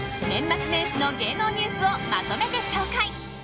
年末年始の芸能ニュースをまとめて紹介。